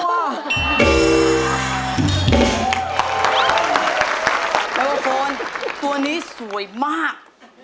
โอโฟนตัวนี้สวยมาก